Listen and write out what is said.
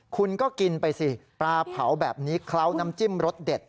คุณก็กินไปสิปลาเผาแบบนี้เคล้าน้ำจิ้มรสเด็ด